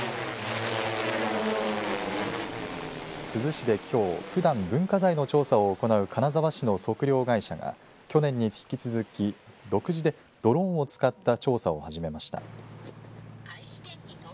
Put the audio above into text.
珠洲市で、きょうふだん文化財の調査を行う金沢市の測量会社が去年に引き続き、独自でドローンを使った調査を始めました。